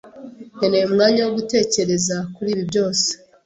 Nkeneye umwanya wo gutekereza kuri ibi byose.